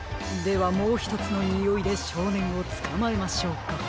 ではもうひとつのにおいでしょうねんをつかまえましょうか。